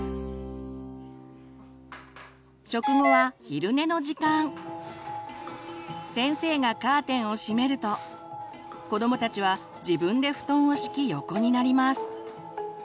食後は先生がカーテンをしめると子どもたちは自分で布団を敷き横になります。